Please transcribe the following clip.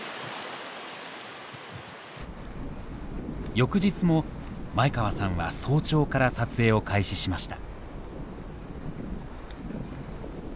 翌日も前川さんは早朝から撮影を開始しました。